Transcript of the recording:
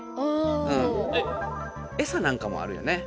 エサなんかもあるよね。